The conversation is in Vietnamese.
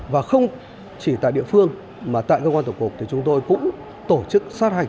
và không chỉ tại địa phương mà tại cơ quan tổng cục thì chúng tôi cũng tổ chức sát hạch